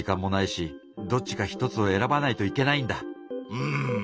うん。